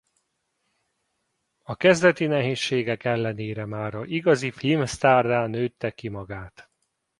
A kezdeti nehézségek ellenére mára igazi filmsztárrá nőtte ki magát.